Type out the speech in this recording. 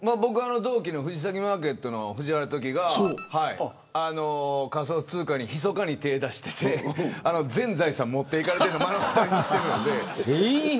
同期の藤崎マーケットのトキが仮想通貨にひそかに手を出していて全財産持っていかれているのを目の当たりにしてるんで。